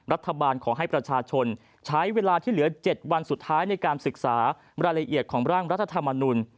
ขอให้ประชาชนใช้เวลาที่เหลือ๗วันสุดท้ายในการศึกษารายละเอียดของร่างรัฐธรรมนุน